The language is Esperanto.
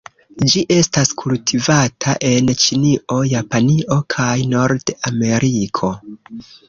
Ĝi estas kultivata en Ĉinio, Japanio kaj Nord-Ameriko.